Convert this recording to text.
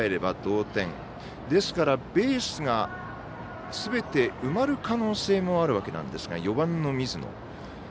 ですから、ベースがすべて埋まる可能性もあるわけですが４番の水野。